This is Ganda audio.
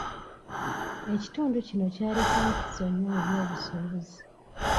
Ekitundu kino kyali kya nkizo nnyo mu byobusuubuzi.